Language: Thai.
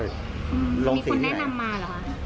มีคนแนะนำมาเหรอคะ